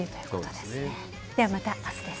ではまた、あすです。